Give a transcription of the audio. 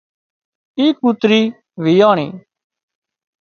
اي ڪوترِي ويئاڻِي